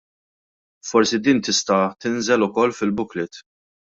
Forsi din tista' tinżel ukoll fil-booklet.